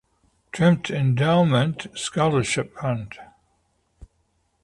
Trimpe Endowment Scholarship Fund.